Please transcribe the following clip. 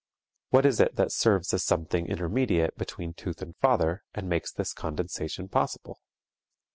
What is it that serves as something intermediate between tooth and father and makes this condensation possible?